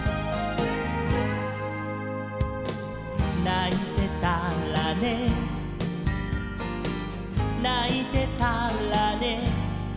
「ないてたらねないてたらね」